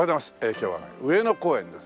今日はね上野公園です。